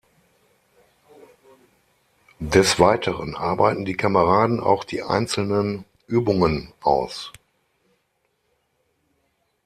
Des Weiteren arbeiten die Kameraden auch die einzelnen Übungen aus.